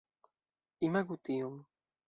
Imagu tion.